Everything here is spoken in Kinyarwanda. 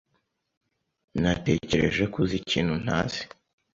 Natekereje ko uzi ikintu ntazi.